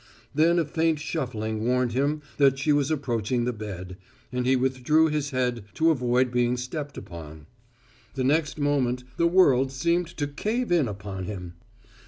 Then a faint shuffling warned him that she was approaching the bed, and he withdrew his head to avoid being stepped upon. The next moment the world seemed to cave in upon him.